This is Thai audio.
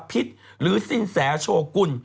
สิตหรือซิ่งแสโชคุณ